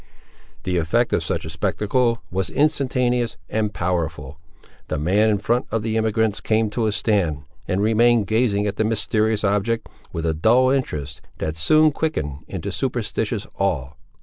The effect of such a spectacle was instantaneous and powerful. The man in front of the emigrants came to a stand, and remained gazing at the mysterious object, with a dull interest, that soon quickened into superstitious awe.